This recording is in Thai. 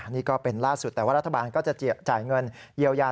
นี่ก็เป็นล่าสุดแต่ว่ารัฐบาลก็จะจ่ายเงินเยียวยา